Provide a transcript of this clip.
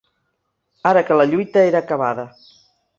Ara que la lluita era acabada